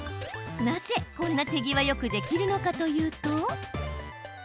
なぜ、こんなに手際よくできるのかというと。